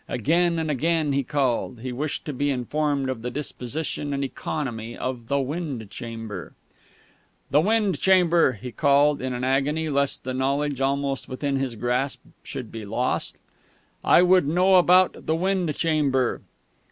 Again and again he called. He wished to be informed of the disposition and economy of the wind chamber.... "The wind chamber!" he called, in an agony lest the knowledge almost within his grasp should be lost. "I would know about the wind chamber...."